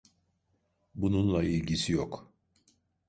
Bununla ilgisi yok.